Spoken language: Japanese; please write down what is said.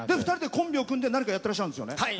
２人でコンビを組んで何かやってらっしゃるんですよね。